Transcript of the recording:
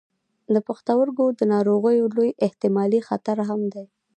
د پښتورګو د ناروغیو لوی احتمالي خطر هم دی.